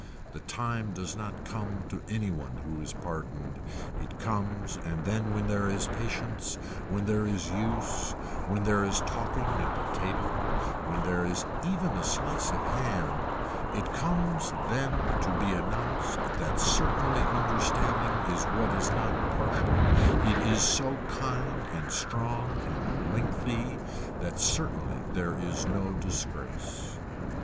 The time does not come to any one who is pardoned, it comes and then when there is patience when there is use, when there is talking and a table, when there is even a slice of ham, it comes then to be announced that certainly understanding is what is not partial, it is so kind and strong and lengthy that certainly there is no disgrace.